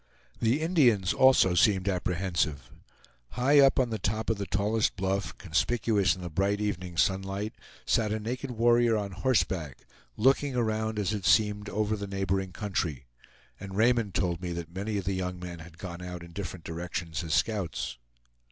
The Indians also seemed apprehensive. High up on the top of the tallest bluff, conspicuous in the bright evening sunlight, sat a naked warrior on horseback, looking around, as it seemed, over the neighboring country; and Raymond told me that many of the young men had gone out in different directions as scouts.